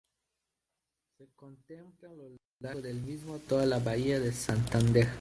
Se contempla a lo largo del mismo toda de la bahía de Santander.